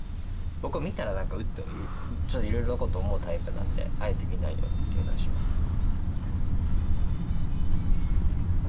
僕は見たら何か「うっ」とちょっといろいろなことを思うタイプなんであえて見ないようにっていうのはしますね。